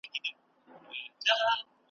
په غوسه ورته وړوکی لوی حیوان وو `